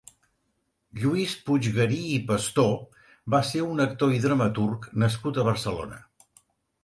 Lluís Puiggarí i Pastor va ser un actor i dramaturg nascut a Barcelona.